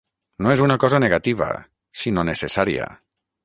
No és una cosa negativa, sinó necessària.